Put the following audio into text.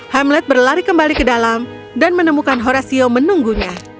hamlet berlari kembali ke dalam dan menemukan horesio menunggunya